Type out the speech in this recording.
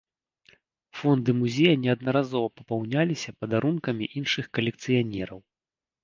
Фонды музея неаднаразова папаўняліся падарункамі іншых калекцыянераў.